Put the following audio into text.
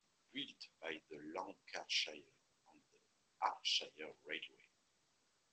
Built by the Lanarkshire and Ayrshire Railway.